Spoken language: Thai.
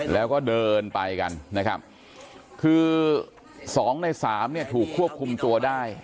แล้วก็เดินไปกันนะครับคือสองในสามเนี่ยถูกควบคุมตัวได้